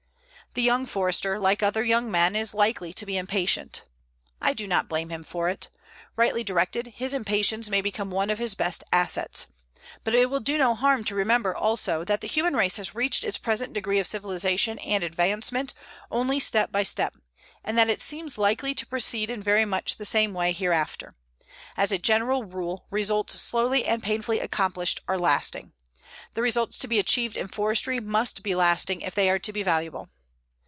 The young Forester, like other young men, is likely to be impatient. I do not blame him for it. Rightly directed, his impatience may become one of his best assets. But it will do no harm to remember, also, that the human race has reached its present degree of civilization and advancement only step by step, and that it seems likely to proceed in very much the same way hereafter. As a general rule, results slowly and painfully accomplished are lasting. The results to be achieved in forestry must be lasting if they are to be valuable.